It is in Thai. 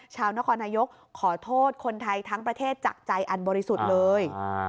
ชาวนครนายกขอโทษคนไทยทั้งประเทศจากใจอันบริสุทธิ์เลย